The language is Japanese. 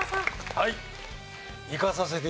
はい。